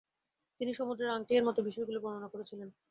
তিনি "সমুদ্রের-আংটি" এর মতো বিষয়গুলো বর্ণনা করেছিলেন।